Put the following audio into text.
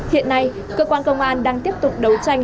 hiện nay cơ quan công an đang tiếp tục đấu tranh